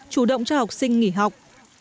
chủ động cho học sinh nghỉ học